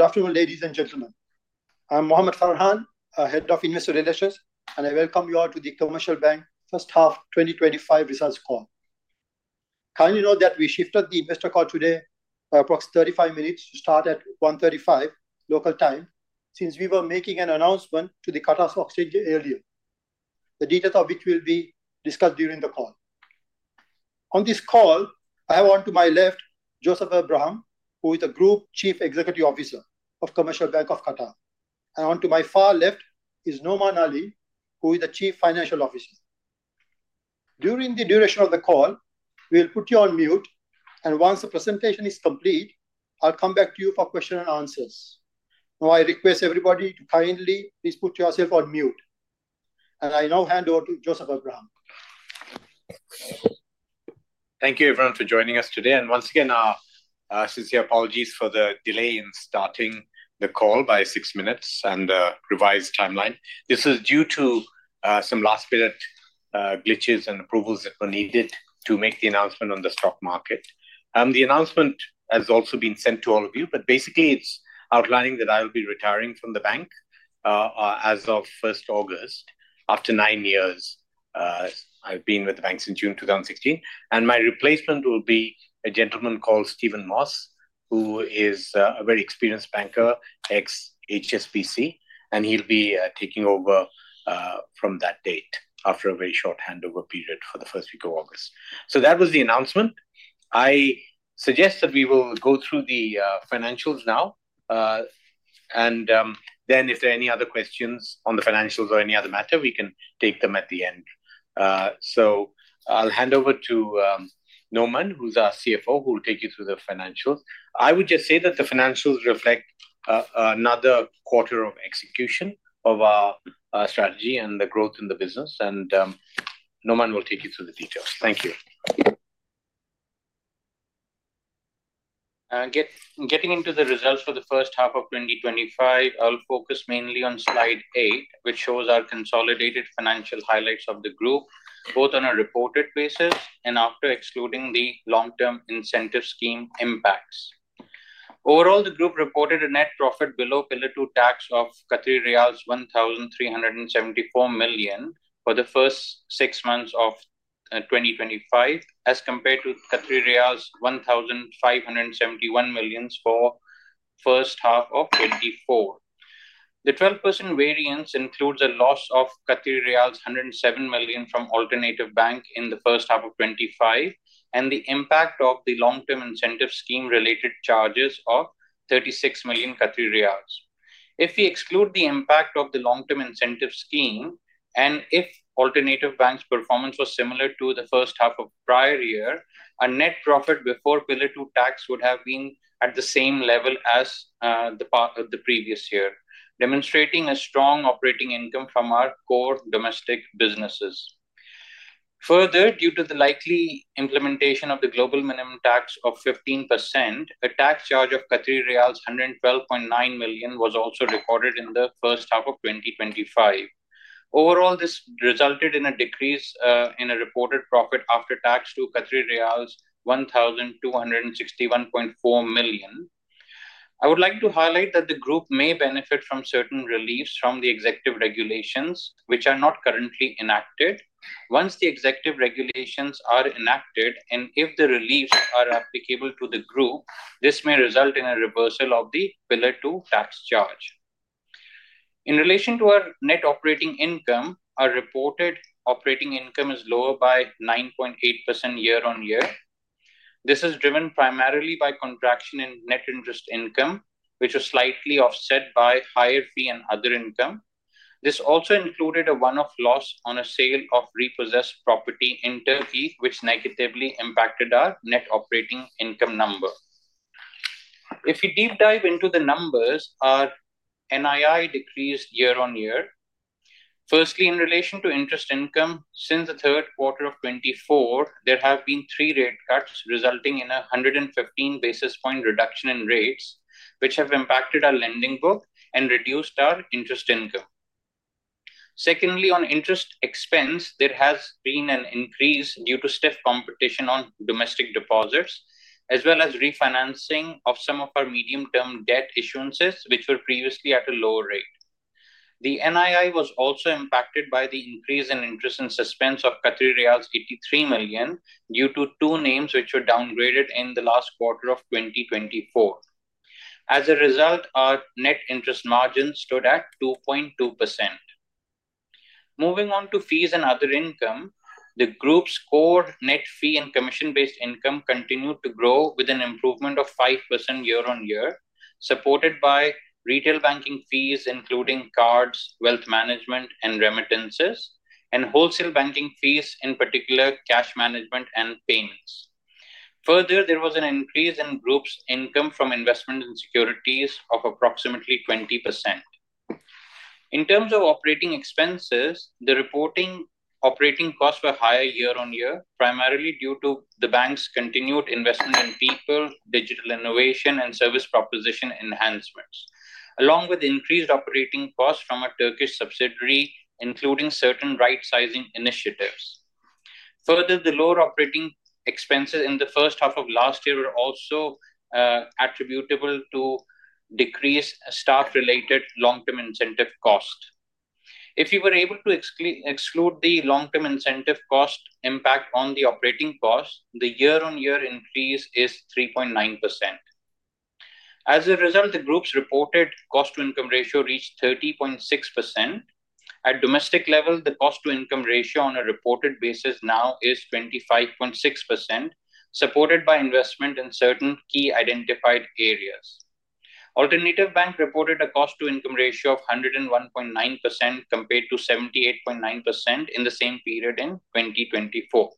Good afternoon ladies and gentlemen, I'm Mohamed Farhan, Head of Investor Relations, and I welcome you all to the Commercial Bank of Qatar first half 2025 results call. Kindly note that we shifted the investor call today by approximately 35 minutes to start at 01:35 P.M. local time since we were making an announcement to the Qatar Stock Exchange earlier, the details of which will be discussed during the call. On this call I have on to my left Joseph Abraham, who is the Group Chief Executive Officer of Commercial Bank of Qatar, and on to my far left is Noman Ali, who is the Chief Financial Officer. During the duration of the call we will put you on mute, and once the presentation is complete I'll come back to you for question and answers. Now I request everybody to kindly please put yourself on mute, and I now hand over to Joseph Abraham. Thank you everyone for joining us today, and once again, sincere apologies for the delay in starting the call by six minutes and the revised timeline. This is due to some last minute glitches and approvals that were needed to make the announcement on the stock market. The announcement has also been sent to all of you, but basically it's outlining that I will be retiring from the bank as of August 1 after nine years. I've been with the bank since June 2016, and my replacement will be a gentleman called Stephen Moss, who is a very experienced banker, ex-HSBC, and he'll be taking over from that date after a very short handover period for the first week of August. That was the announcement. I suggest that we go through the financials now, and if there are any other questions on the financials or any other matter, we can take them at the end. I'll hand over to Noman, who's our CFO, who will take you through the financials. I would just say that the financials reflect another quarter of execution of our strategy and the growth in the business, and Noman will take you through the details. Thank you. Getting into the results for the first half of 2025, I'll focus mainly on Slide 8, which shows our consolidated financial highlights of the group both on a reported basis and after excluding the long term incentive scheme impacts. Overall, the group reported a net profit below Pillar 2 tax of 1,374 million for the first six months of 2025 as compared to 1,571 million for the first half of 2024. The variance includes a loss of 107 million from Alternativebank in first half of 2025 and the impact of the long term incentive scheme related charges of 36 million Qatari riyals. If we exclude the impact of the long term incentive scheme and if Alternativebank's performance was similar to the first half of the prior year, net profit before Pillar 2 tax would have been at the same level as the prior year, demonstrating a strong operating income from our core domestic business. Further, due to the likely implementation of the global minimum tax of 15%, a tax charge of 112.9 million was also recorded in the first half of 2025. Overall, this resulted in a decrease in reported profit after tax to 1,261.4 million. I would like to highlight that the group may benefit from certain reliefs from the executive tax relief regulations which are not currently enacted. Once the executive regulations are enacted and if the reliefs are applicable to the group, this may result in a reversal of the Pillar 2 tax charge. In relation to our net operating income, our reported operating income is lower by 9.8% year on year. This is driven primarily by contraction in net interest income, which was slightly offset by higher fee and commission income and other income. This also included a one-off loss on a sale of repossessed property in Turkey, which negatively impacted our net operating income number. If you deep dive into the numbers, our NII decreased year on year. Firstly, in relation to interest income, since 3Q24 there have been three rate cuts resulting in a 115 basis point reduction in rates, which have impacted our lending book and reduced our interest income. Secondly, on interest expense, there has been an increase due to stiff competition on domestic deposits as well as refinancing of some of our medium term debt issuances, which were previously at a lower rate. The NII was also impacted by the increase in interest in suspense of 83 million due to two names which were downgraded in the last quarter of 2024. As a result, our net interest margin stood at 2.2%. Moving on to fees and other income, the group's core net fee and commission based income continued to grow with an improvement of 5% year on year, supported by retail banking fees including cards, wealth management, and remittances, and wholesale banking fees, in particular cash management and payments. Further, there was an increase in the group's income from investment and securities of approximately 20%. In terms of operating expenses, the reported operating costs were higher year on year primarily due to the bank's continued investment in people, digital innovation, and service proposition enhancements, along with increased operating costs from a Turkish subsidiary, including certain rightsizing initiatives. Further, the lower operating expenses in the first half of last year were also attributable to decreased staff-related long term incentive cost. If you were able to exclude the long term incentive cost impact on the operating cost, the year on year increase is 3.9%. As a result, the group's reported cost-to-income ratio reached 30.6%. At domestic level, the cost-to-income ratio on a reported basis now is 25.6%, supported by investment in certain key identified areas. Alternativebank reported a cost-to-income ratio of 101.9% compared to 78.9% in the same period in 2024.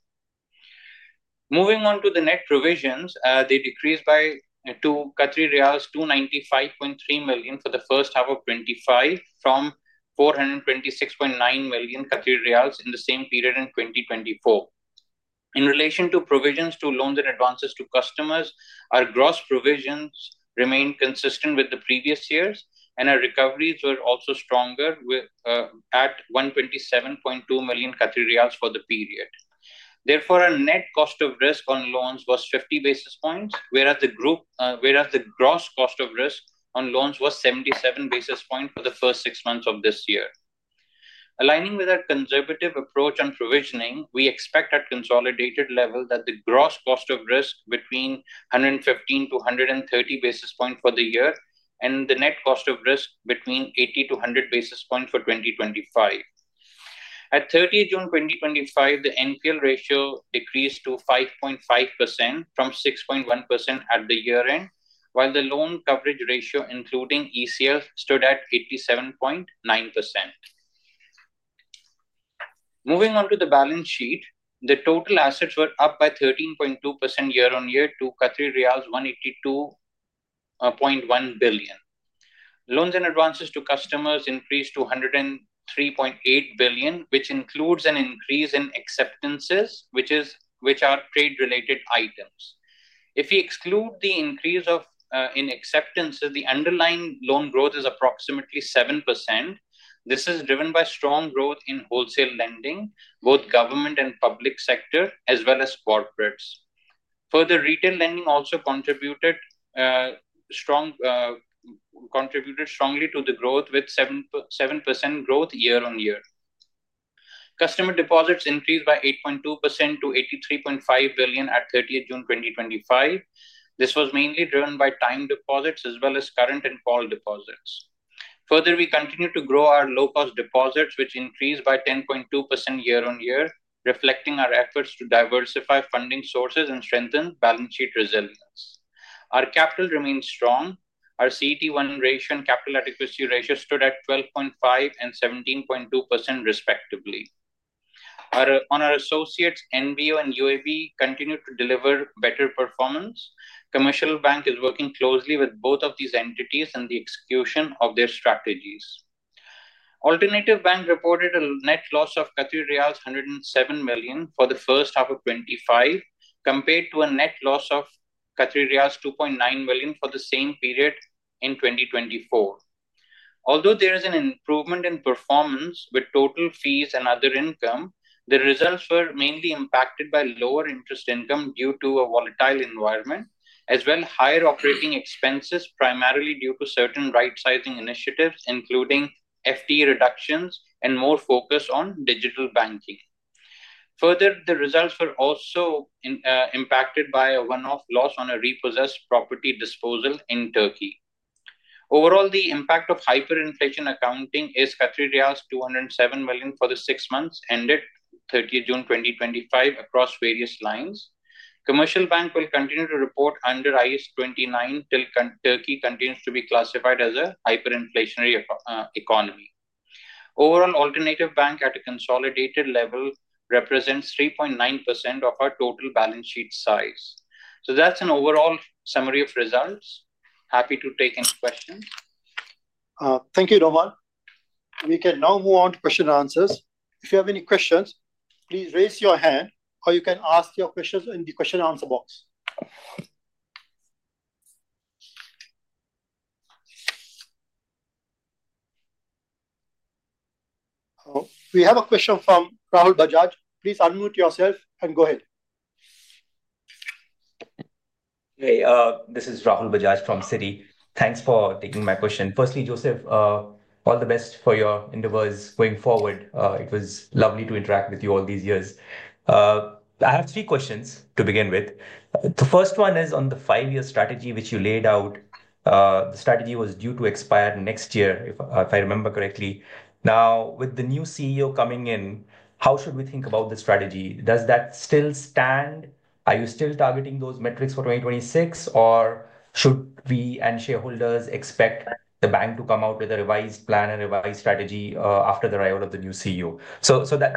Moving on to the net provisions, they decreased to 295.3 million for first half of 2025 from 426.9 million in the same period in 2024. In relation to provisions to loans and advances to customers, our gross provisions remained consistent with the previous years and our recoveries were also stronger at 127.2 million Qatari riyals for the period. Therefore, a net cost of risk on loans was 50 basis points, whereas the gross cost of risk on loans was 77 basis points for the first six months of this year. Aligning with our conservative approach and provisioning, we expect at consolidated level that the gross cost of risk will be between 115 to 130 basis points for the year and the net cost of risk between 80 to 100 basis points for 2025. At 30 June 2025, the NPL ratio decreased to 5.5% from 6.1% at the year end, while the loan coverage ratio including ECL stood at 87.9%. Moving on to the balance sheet, the total assets were up by 13.2% year on year to 182.1 billion. Loans and advances to customers increased to 103.8 billion, which includes an increase in acceptances, which are trade related items. If we exclude the increase of in acceptance, the underlying loan growth is approximately 7%. This is driven by strong growth in wholesale lending, both government and public sector as well as corporates. Further, retail lending also contributed strongly to the growth with 7% growth year on year. Customer deposits increased by 8.2% to 83.5 billion at 30 June 2025. This was mainly driven by time deposits as well as current and call deposits. Further, we continue to grow our low cost deposits which increased by 10.2% year on year, reflecting our efforts to diversify funding sources and strengthen balance sheet resilience. Our capital remains strong. Our CET1 ratio and capital adequacy ratio stood at 12.5% and 17.2% respectively. On our associates, NBO and UAB continue to deliver better performance. Commercial Bank of Qatar is working closely with both of these entities and the execution of their strategies. Alternativebank reported a net loss of 107 million for first half of 2025 compared to a net loss of 2.9 million for the same period in 2024. Although there is an improvement in performance with total fees and other income, the results were mainly impacted by lower interest income due to a volatile environment as well as higher operating expenses primarily due to certain rightsizing initiatives including FTE reductions and more focus on digital banking. Further, the results were also impacted by a one-off loss on a repossessed property disposal in Turkey. Overall, the impact of hyperinflation accounting is 207 million for the six months ended 30 June 2025 across various lines. Commercial Bank of Qatar will continue to report under IAS 29 till Turkey continues to be classified as a hyperinflationary economy. Overall, Alternativebank at a consolidated level represents 3.9% of our total balance sheet size. That's an overall summary of results. Happy to take any questions. Thank you, Noman. We can now move on to question and answers. If you have any questions, please raise your hand, or you can ask your questions in the question and answer box. We have a question from Rahul Bajaj. Please unmute yourself and go ahead. Hey, this is Rahul Bajaj from Citi. Thanks for taking my question. Firstly Joseph, all the best for your endeavors going forward. It was lovely to interact with you all these years. I have three questions to begin with. The first one is on the five year strategy which you laid out. The strategy was due to expire next year if I remember correctly. Now with the new CEO coming in, how should we think about the strategy? Does that still stand? Are you still targeting those metrics for 2026 or should we and shareholders expect the bank to come out with a revised plan and revised strategy after the arrival of the new CEO?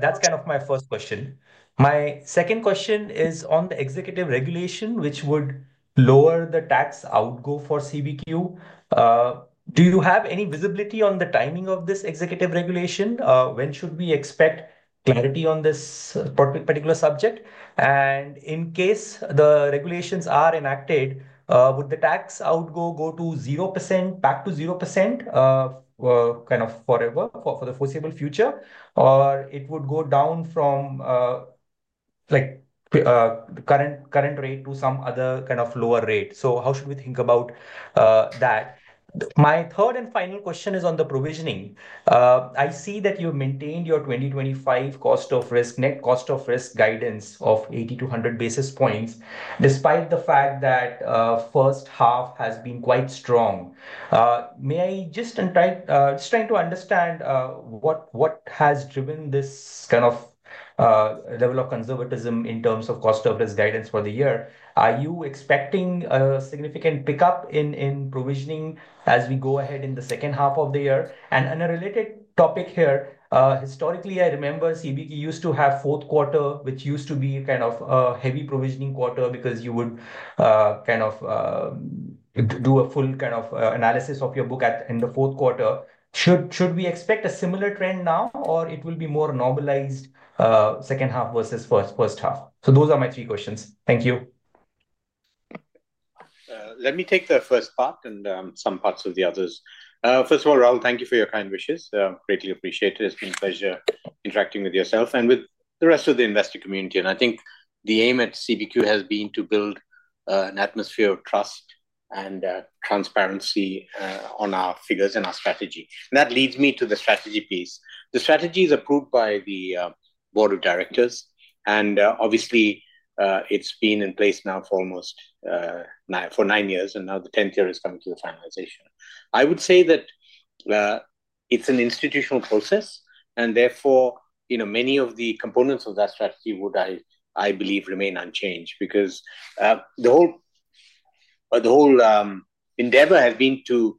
That’s kind of my first question. My second question is on the executive regulation which would lower the tax outgo for CBQ. Do you have any visibility on the timing of this executive regulation? When should we expect clarity on this particular subject? In case the regulations are enacted, would the tax outgo go to 0%—back to 0% kind of forever for the foreseeable future—or would it go down from the current rate to some other kind of lower rate? How should we think about that? My third and final question is on the provisioning. I see that you maintained your 2025 cost of risk, net cost of risk guidance of 80 to 100 basis points, despite the fact that first half has been quite strong. May I just try to understand what has driven this kind of level of conservatism in terms of cost surplus guidance for the year? Are you expecting a significant pickup in provisioning as we go ahead in the second half of the year? A related topic here, historically I remember CBQ used to have fourth quarter, which used to be kind of a heavy provisioning quarter because you would do a full analysis of your book in the fourth quarter. Should we expect a similar trend now or will it be more normalized second half versus first half? Those are my three questions. Thank you. Let me take the first part and some parts of the others. First of all, Rahul, thank you for your kind wishes. Greatly appreciate it. It's been a pleasure interacting with yourself and with the rest of the investor community. I think the aim at Commercial Bank of Qatar has been to build an atmosphere of trust and transparency on our figures and our strategy. That leads me to the strategy piece. The strategy is approved by the Board of Directors and obviously it's been in place now for almost nine, for nine years. Now the 10th year is coming to the finalization. I would say that it's an institutional process and therefore, you know, many of the components of that strategy would I believe remain unchanged because the whole, but the whole endeavor has been to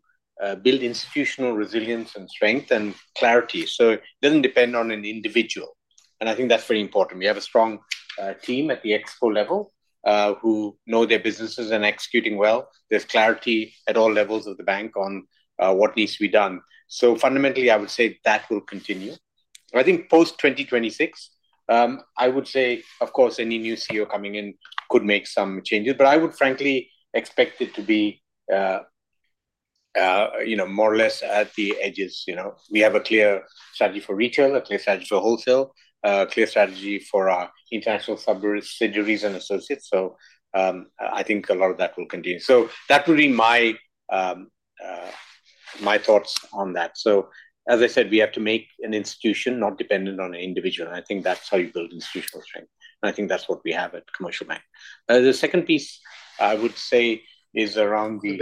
build institutional resilience and strength and clarity. It doesn't depend on an individual. I think that's very important. We have a strong team at the ExCo level who know their businesses and executing well. There's clarity at all levels of the bank on what needs to be done. Fundamentally I would say that will continue I think post 2026. I would say of course any new CEO coming in could make some changes, but I would frankly expect it to be, you know, more or less at the edges. We have a clear strategy for retail, a clear strategy for wholesale, clear strategy for our international subsidiaries and associates. I think a lot of that will continue. That would be my thoughts on that. As I said, we have to make an institution not dependent on an individual. I think that's how you build institutional strength and I think that's what we have at Commercial Bank. The second piece I would say is around the,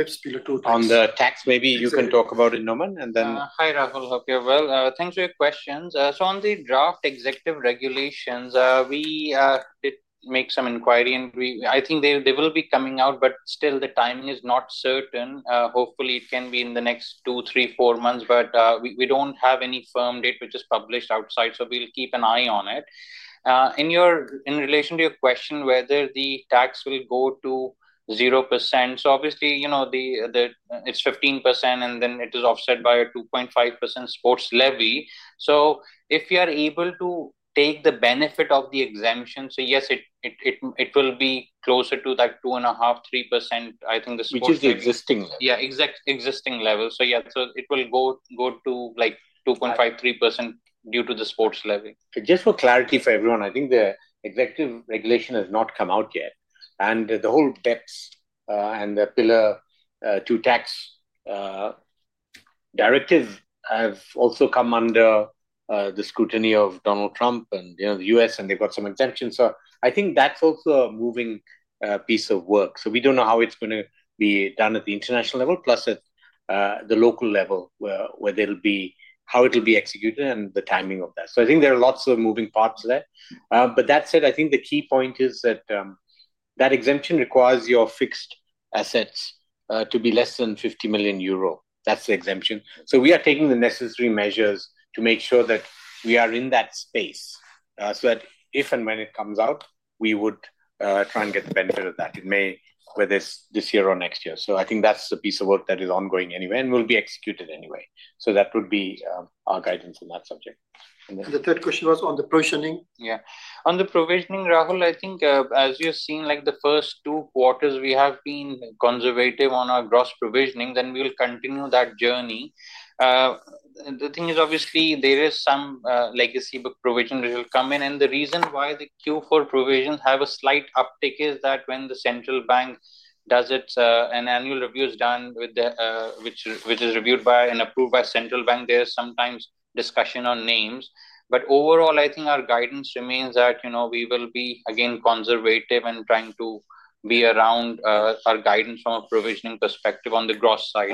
on the tax. Maybe you can talk about it. Noman and then. Hi Rahul, hope you're well. Thanks for your questions. On the draft executive regulations, we did make some inquiry and we think they will be coming out, but still the timing is not certain. Hopefully it can be in the next two, three, four months, but we don't have any firm date which is published outside. We'll keep an eye on it. In relation to your question whether the tax will go to 0%. Obviously, you know it's 15% and then it is offset by a 2.5% sports levy. If you are able to take the benefit of the exemption, yes, it will be closer to that two and a half, 3%. I think this, which is the exact existing level. It will go to like 2.5-3% due to the sports levy. Just for clarity for everyone, I think the executive regulation has not come out yet and the whole BEPS and the Pillar 2 tax directive have also come under the scrutiny of Donald Trump and the U.S. and they've got some exemptions. I think that's also a moving piece of work. We don't know how it's going to be done at the international level plus at the local level where there'll be how it will be executed and the timing of that. I think there are lots of moving parts there. That said, I think the key point is that that exemption requires your fixed assets to be less than 50 million euro. That's the exemption. We are taking the necessary measures to make sure that we are in that space so that if and when it comes out we would try and get the benefit of that in May, whether this year or next year. I think that's a piece of work that is ongoing anyway and will be executed anyway. That would be our guidance on that subject. The third question was on the provisioning. Yeah, on the provisioning, Rahul. I think as you've seen, like the first two quarters, we have been conservative on our gross provisioning, and we will continue that journey. The thing is, obviously, there is some legacy book provision which will come in, and the reason why the Q4 provisions have a slight uptick is that when the central bank does an annual review, which is reviewed by and approved by the central bank, there is sometimes discussion on names. Overall, I think our guidance remains that, you know, we will be again conservative and trying to be around our guidance from a provisioning perspective on the gross side.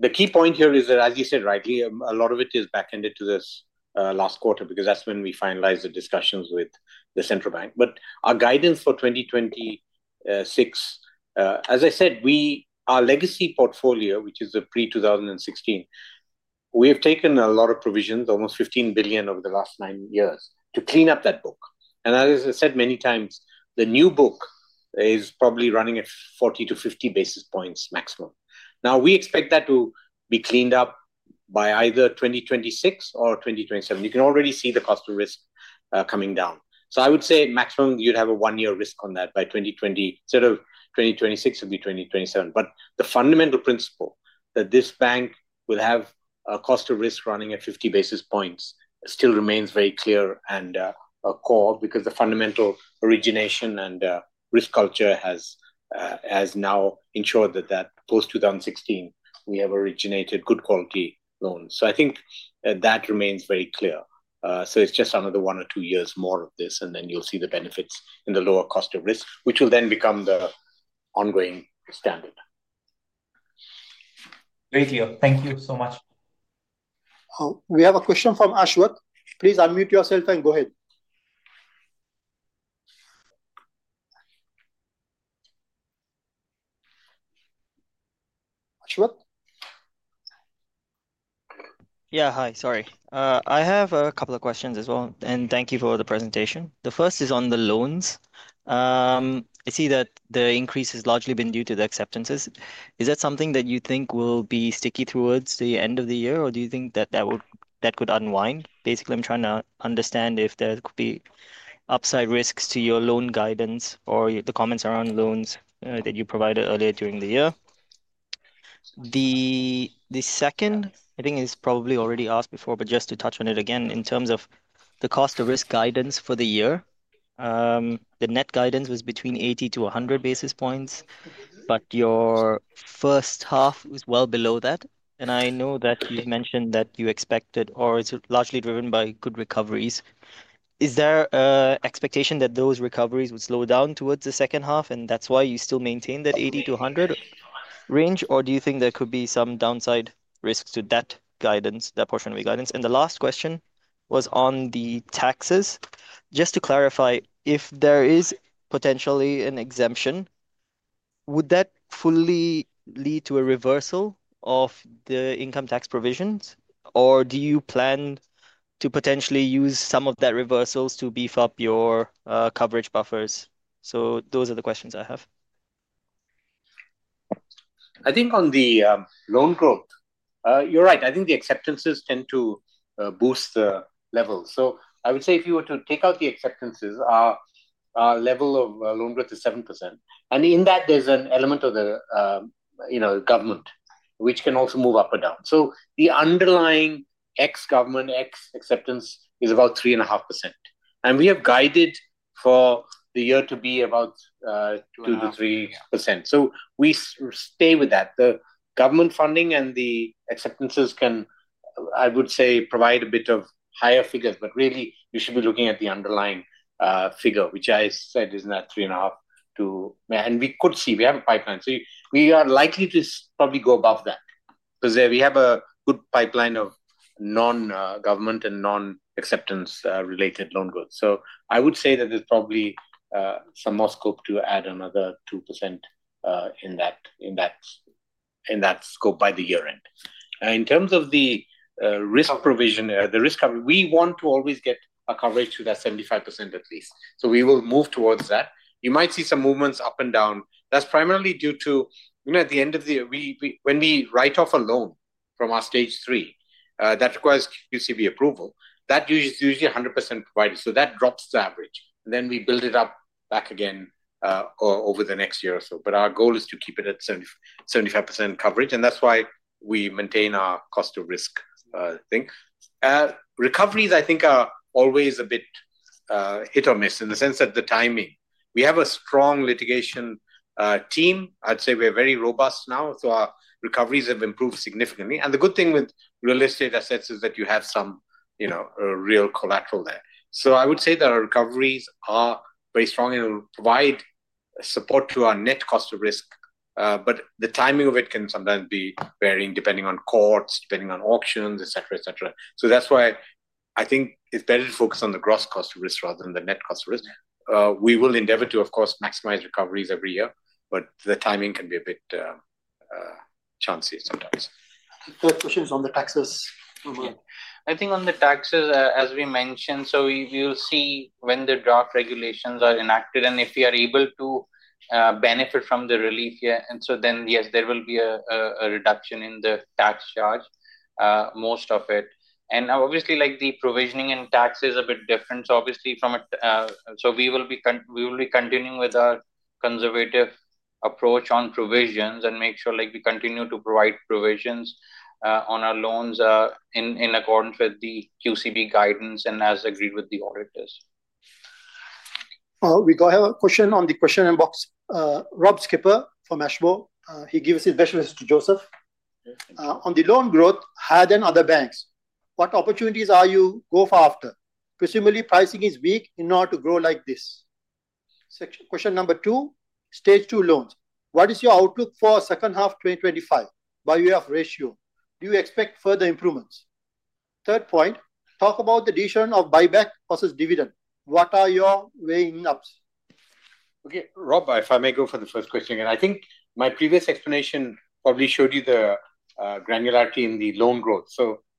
The key point here is that, as you said rightly, a lot of it is back ended to this last quarter because that's when we finalized the discussions with the central bank. Our guidance for 2026, as I said, our legacy portfolio, which is the pre-2016, we have taken a lot of provisions, almost 15 billion over the last nine years to clean up that book. As I said many times, the new book is probably running at 40 to 50 basis points maximum. We expect that to be cleaned up by either 2026 or 2027. You can already see the cost of risk coming down. I would say maximum you'd have a one year risk on that by 2026, sort of 2026 will be 2027. The fundamental principle that this bank will have a cost of risk running at 50 basis points still remains very clear and core because the fundamental origination and risk culture has now ensured that post-2016 we have originated good quality loans. I think that remains very clear. It's just another one or two years more of this and then you'll see the benefits in the lower cost of risk, which will then become the ongoing standard. Greatly. Thank you so much. We have a question from Ashwath. Please unmute yourself and go ahead, Ashwath. Yeah, hi, sorry, I have a couple of questions as well and thank you for the presentation. The first is on the loans. I see that the increase has largely been due to the acceptances. Is that something that you think will be sticky towards the end of the year, or do you think that could unwind? Basically, I'm trying to understand if there could be upside risks to your loan guidance or the comments around loans that you provided earlier during the year. The second I think is probably already asked before, but just to touch on it again. In terms of the cost of risk guidance for the year, the net guidance was between 80 to 100 basis points, but your first half was well below that. I know that you've mentioned that you expected or it's largely driven by good recoveries. Is there expectation that those recoveries would slow down towards the second half and that's why you still maintain that 80-100 range? Do you think there could be some downside risks to that guidance, that portion of your guidance? The last question was on the taxes. Just to clarify, if there is potentially an exemption, would that fully lead to a reversal of the income tax provisions, or do you plan to potentially use some of that reversals to beef up your coverage buffers? Those are the questions I have. I think on the loan growth, you're right. I think the acceptances tend to boost the level. I would say if you were. To take out the acceptances, our level of loan growth is 7% and in that there's an element of the government which can also move up or down. The underlying ex-government, ex-acceptance is about 3.5% and we have guided for the year to be about 2.5%-3%. We stay with that. The government funding and the acceptances can, I would say, provide a bit of higher figures. You should be looking at the underlying figure, which I said is not 3.5% too. We could see we have a pipeline, so we are likely to probably go above that because we have a good pipeline of non-government and non-acceptance related loan growth. I would say that there's probably some more scope to add another 2% in that scope by the year end. In terms of the risk provision, the risk, we want to always get a coverage to that 75% at least. We will move towards that. You might see some movements up and down. That's primarily due to, at the end of the, when we write off a loan from our stage three, that requires QCB approval, that usually is 100% provided. That drops the average and then we build it up back again over the next year or so. Our goal is to keep it. At 75% coverage, and that's why we maintain our cost of risk. Recoveries, I think, are always a bit hit or miss in the sense that the timing. We have a strong litigation team. I'd say we're very robust now. Our recoveries have improved significantly. The good thing with real estate assets is that you have some, you know, real collateral there. I would say that our recoveries are very strong and provide support to our net cost of risk. The timing of it can sometimes be varying depending on courts, depending on auctions, etc. That's why I think it's better to focus on the gross cost of risk rather than the net cost of risk. We will endeavor to, of course, maximize recoveries every year, but the timing can be a bit chancy sometimes. Third question is on the taxes. Think on the taxes as we mentioned. We will see when the draft regulations are enacted and if we are able to benefit from the relief here, and then yes, there will be a reduction in the tax charge, most of it. Obviously, the provisioning and tax is a bit different, obviously, from, we will be continuing with our conservative approach on provisions and make sure we continue to provide provisions on our loans in accordance with the QCB guidance and as agreed with the auditors. We have a question on the question inbox. Rob Skipper from Ashmore. He gives his best to Joseph on the loan growth higher than other banks. What opportunities are you go for after presumably pricing is weak in order to grow like this? Question number 2, stage 2 loans. What is your outlook for second half 2025 by way of ratio? Do you expect further improvements? Third point, talk about the decision of buyback versus dividend. What are your weighing ups? Okay Rob, if I may go for the first question again, I think my previous explanation probably showed you the granularity in the loan growth.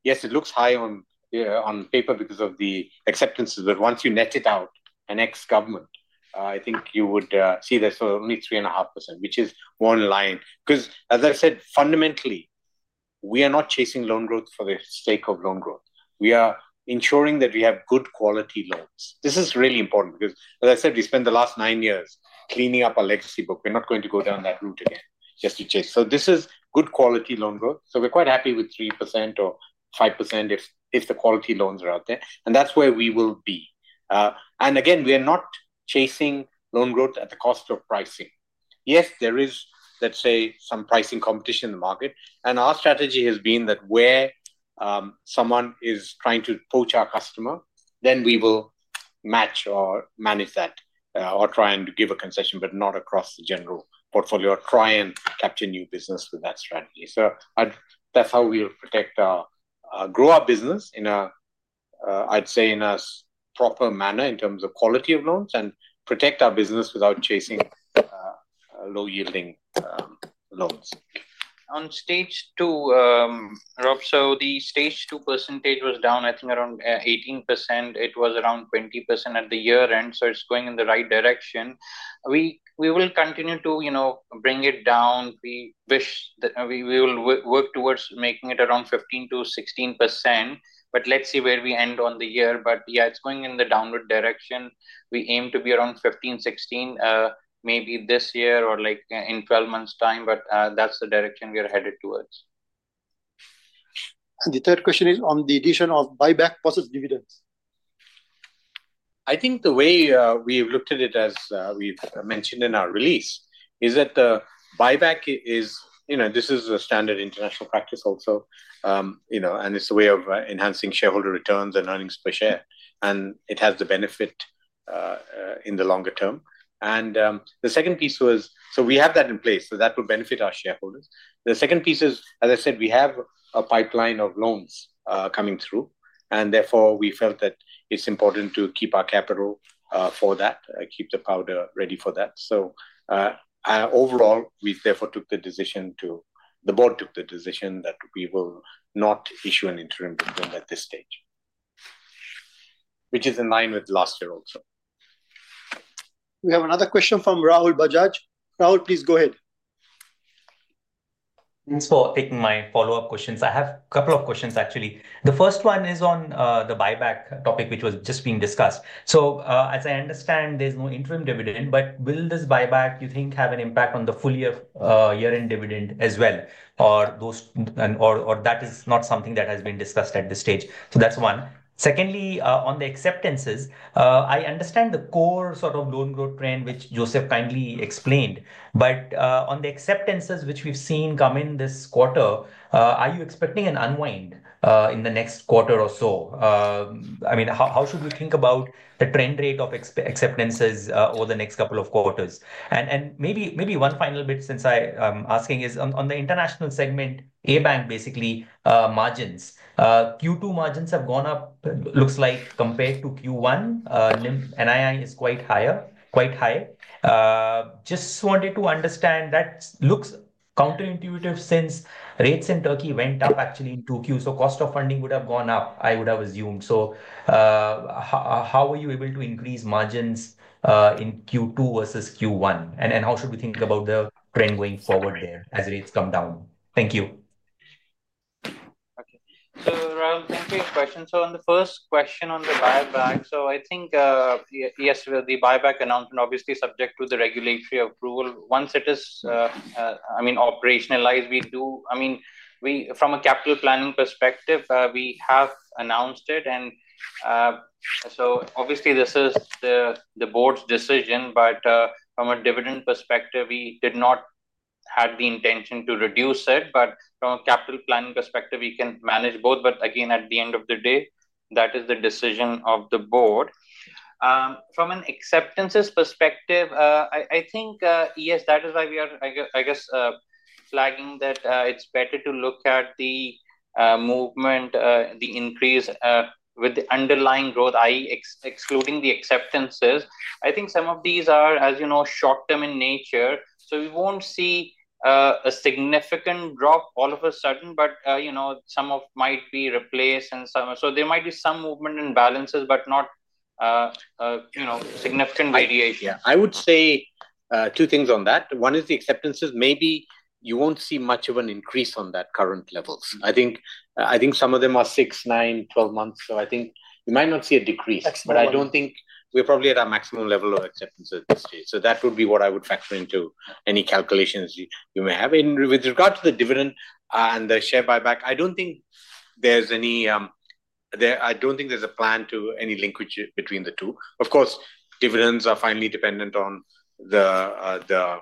Yes, it looks high on paper because of the acceptances, but once you net it out and ex government, I think you would see that. Only 3.5% which is one line, because as I said, fundamentally we are not chasing loan growth for the sake of loan growth. We are ensuring that we have good quality loans. This is really important because, as I said, we spent the last nine years cleaning up our legacy book. We're not going to go down that route again. Yes, you chase, so this is good quality loan growth. We're quite happy with 3% or. 5% if the quality loans are out there and that's where we will be. We are not chasing loan growth at the cost of pricing. Yes, there is, let's say, some pricing competition in the market and our strategy has been that where someone is trying to poach our customer, then we will match or manage that or try and give a concession, but not across the general portfolio, try and capture new business with that strategy. That's how we'll protect and grow our business in a, I'd say, in a proper manner in terms of quality of loans and protect our business without. Chasing low yielding loans On stage two, Rob. The stage two percentage was down, I think, around 18%. It was around 20% at the year end. It's going in the right direction. We will continue to bring it down. We wish that we will work towards making it around 15 to 16%, but let's see where we end on the year. It's going in the downward direction. We aim to be around 15, 16%, maybe this year or in 12 months' time. That's the direction we are headed towards. The third question is on the addition of buyback process dividends. I think the way we've looked at it as we've mentioned in our release is that the buyback is, you know, this is a standard international practice also, you know, and it's a way of enhancing shareholder returns and earnings per share, and it has the benefit in the longer term. The second piece was, we have that in place so that will benefit our shareholders. The second piece is, as I said, we have a pipeline of loans coming through and therefore we felt that it's important to keep our capital for that. I keep the powder ready for that. Overall, we therefore took the decision, the board took the decision, that we will not issue an interim at this stage, which is in line with last year. Also, we have another question from Rahul Bajaj. Rahul, please go ahead. Thanks for taking my follow up questions. I have a couple of questions actually. The first one is on the buyback topic which was just being discussed. As I understand there's no interest dividend, but will this buyback you think have an impact on the full year, year end dividend as well, or that is not something that has been discussed at this stage. That's one. Secondly, on the acceptances, I understand the core sort of loan growth trend which Joseph kindly explained, but on the acceptances which we've seen come in this quarter, are you expecting an unwind in the next quarter or so? How should we think about the trend rate of acceptances over the next couple of quarters? Maybe one final bit since I'm asking is on the international segment, a bank basically, margins Q2 margins have gone up, looks like compared to Q1, NII is quite higher, quite high. Just wanted to understand, that looks counterintuitive since rates in Turkey went up actually in Q2, so cost of funding would have gone up I would have assumed. How were you able to increase margins in Q2 versus Q1 and how should we think about the trend going forward there as rates come down? Thank you. Thank you. On the first question on the buyback, yes, the buyback announcement is obviously subject to regulatory approval. Once it is operationalized, from a capital planning perspective, we have announced it, and this is the board's decision. From a dividend perspective, we did not have the intention to reduce it. From a capital planning perspective, we can manage both. At the end of the day, that is the decision of the board. From an acceptances perspective, yes, that is why we are flagging that it's better to look at the movement, the increase with the underlying growth. Excluding the acceptances, some of these are, as you know, short term in nature. We won't see a significant drop all of a sudden. Some might be replaced, so there might be some movement in balances but not significant variation. Yeah, I would say two things on that. One is the acceptances. Maybe you won't see much of an increase on that. Current levels, I think some of them are 6, 9, 12 months. I think you might not see a decrease. I don't think we're probably at our maximum level of acceptance at this stage. That would be what I would factor into any calculations you may have with regard to the dividend and the share buyback. I don't think there's any there. I don't think there's a plan to any linkage between the two. Of course, dividends are finally dependent on the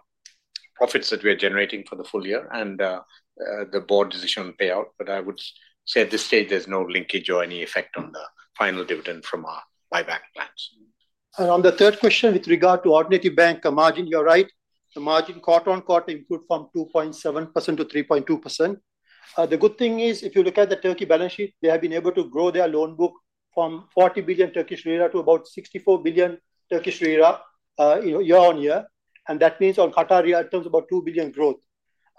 profits that we are generating for the full year and the board decision on payout. I would say at this stage there's no linkage or any effect on the final dividend from our buyback plans. On the third question with regard to Alternativebank margin, you're right, the margin quarter on quarter improved from 2.7%-3.2%. The good thing is, if you look at the Turkey balance sheet, they have been able to grow their loan book from 40 billion Turkish lira to about 64 billion Turkish lira year on year. That means on Qatari Riyal, about 2 billion growth.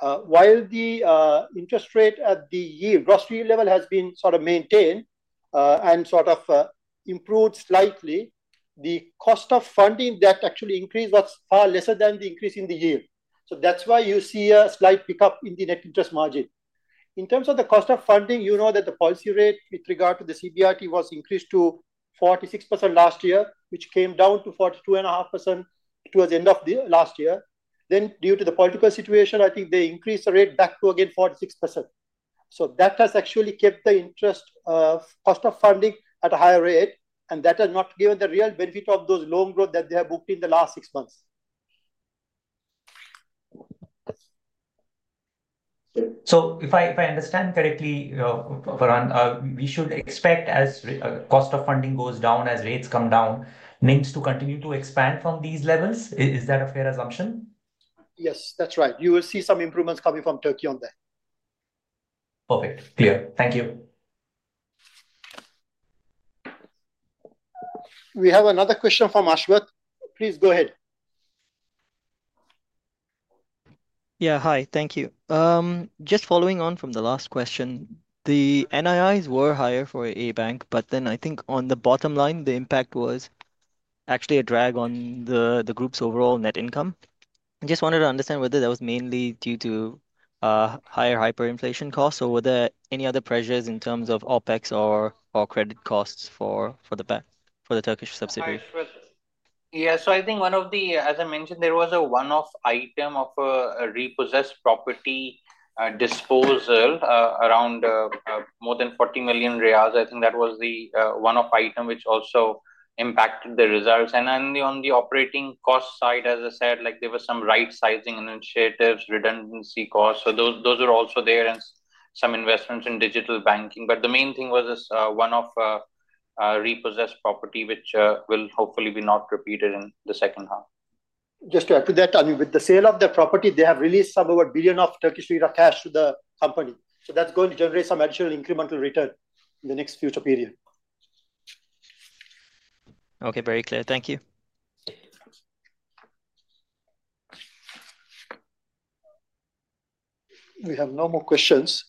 While the interest rate at the yield gross level has been sort of maintained and sort of improved slightly, the cost of funding that actually increased was far lesser than the increase in the yield. That's why you see a slight pickup in the net interest margin in terms of the cost of funding. You know that the policy rate with regard to the CBRT was increased to 46% last year, which came down to 42.5% towards the end of last year. Due to the political situation, I think they increased the rate back to 46%. That has actually kept the interest cost of funding at a higher rate and that has not given the real benefit of those loan growth that they have booked in the last six months. If I understand correctly, we should expect as cost of funding goes down, as rates come down, names to continue to expand from these levels. Is that a fair assumption? Yes, that's right. You will see some improvements coming from Turkey on that. Perfect. Clear. Thank you. We have another question from Ashwath. Please go ahead. Yeah, hi, thank you. Just following on from the last question. The NII's were higher for a bank, but then I think on the bottom line the impact was actually a drag on the group's overall net income. Just wanted to understand whether that was mainly due to higher hyperinflation costs or were there any other pressures in terms of OpEx or credit costs for the bank for the Turkish subsidiary? Yeah, I think one of the, as I mentioned, there was a one-off item of a repossessed property disposal around more than QAR 40 million. I think that was the one-off item which also impacted the results. On the operating cost side, as I said, there were some right sizing initiatives and redundancy costs. Those are also there, and some investments in digital banking. The main thing was this one-off repossessed property, which will hopefully not be repeated in the second half. Just to add to that, with the sale of the property, they have released some over 1 billion of Turkish lira cash to the company. That's going to generate some additional incremental return in the next future period. Okay, very clear. Thank you. We have no more questions.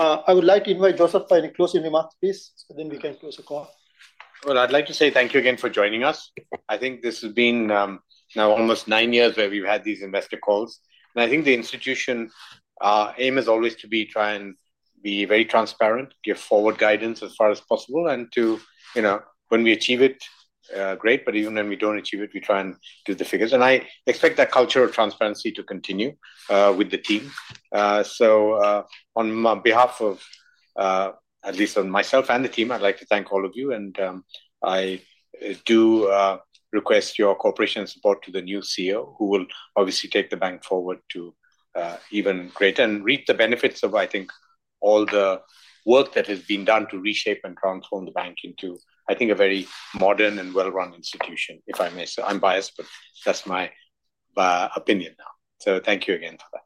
I would like to invite Joseph Abraham for any closing remarks, please, then we can close the call. Thank you again for joining us. I think this has been now almost nine years where we've had these investor calls and I think the institution aim is always to try and be very transparent, give forward guidance as far as possible and to, you know, when we achieve it, great. Even when we don't achieve it, we try and do the figures and I expect that culture of transparency to continue with the team. On behalf of, at least on myself and the team, I'd like to thank all of you and I do request your cooperation and support to the new CEO who will obviously take the bank forward to even greater and reap the benefits of, I think, all the work that has been done to reshape and transform the bank into, I think, a very modern and well run institution. If I may say, I'm biased. That's my opinion now, so thank you again for that.